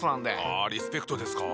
あリスペクトですか。